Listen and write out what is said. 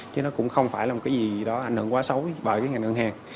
chứ nó cũng không phải là một cái gì đó ảnh hưởng quá xấu bởi cái ngành ngân hàng